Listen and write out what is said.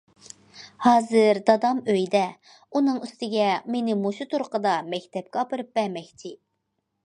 ھازىر دادام ئۆيدە، ئۇنىڭ ئۈستىگە مېنى مۇشۇ تۇرقىدا مەكتەپكە ئاپىرىپ بەرمەكچى.